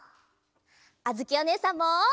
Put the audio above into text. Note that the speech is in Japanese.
あづきおねえさんも！